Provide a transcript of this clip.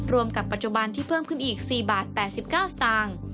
รวมกับปัจจุบันที่เพิ่มขึ้นอีก๔บาท๘๙สตางค์